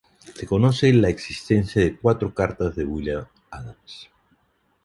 Se conoce la existencia de cuatro cartas de William Adams.